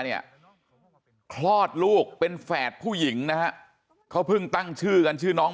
เนี่ยคลอดลูกเป็นแฝดผู้หญิงนะฮะเขาเพิ่งตั้งชื่อกันชื่อน้อง